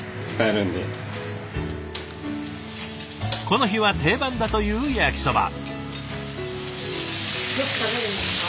この日は定番だというやきそば。